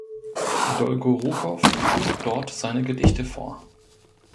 Dolgorukow trug dort seine Gedichte vor.